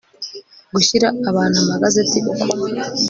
Gushyira abantu amagazeti uko